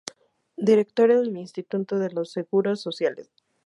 Director del Instituto de los Seguros sociales.